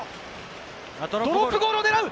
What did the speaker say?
ドロップゴールを狙う！